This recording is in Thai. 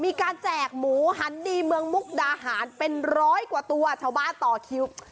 แจกหมูหันดีเมืองมุกดาหารเป็นร้อยกว่าตัวชาวบ้านต่อคิว